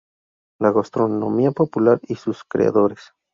La gastronomía popular y sus creadores.